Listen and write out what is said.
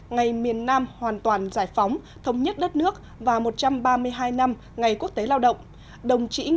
ngày miền nam hoàn toàn giải phóng thống nhất đất nước và một trăm ba mươi hai năm ngày quốc tế lao động